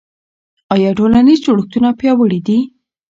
آیا ټولنیز جوړښتونه پیاوړي دي؟